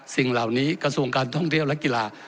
สิ่งเหล่านี้กระทรวงการท่องเที่ยวและกีฬา